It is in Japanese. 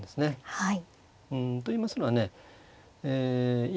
はい。